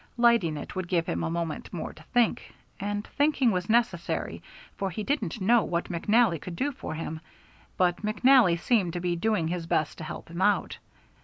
Lighting it would give him a moment more to think, and thinking was necessary, for he didn't know what McNally could do for him. But McNally seemed to be doing his best to help him out.